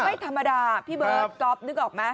ไม่ธรรมดาพี่เบิร์ตก๊อฟนึกออกไหม